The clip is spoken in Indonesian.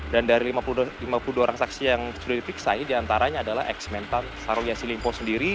dan dari lima puluh dua orang saksi yang sudah dipikirkan diantaranya adalah eksmentan syahrul yassin limpo